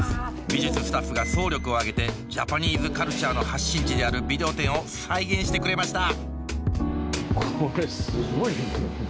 美術スタッフが総力を挙げてジャパニーズカルチャーの発信地であるビデオ店を再現してくれました